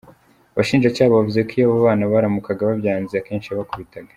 Abashinjacyaha bavuze ko iyo abo bana baramukaga babyanze, akenshi yabakubitaga.